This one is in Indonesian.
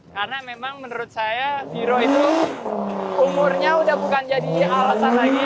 karena memang menurut saya viro itu umurnya sudah bukan jadi alasan lagi